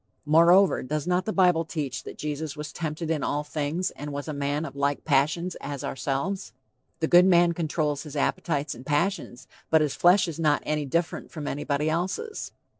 Moreover, does not the bible teach that Jesus was tempted in all things, and was a man of like passions, as ourselves? The good man controls his appetites and passions, but his flesh is not any different from anybody else's.